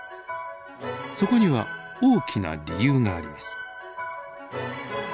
そこには大きな理由があります。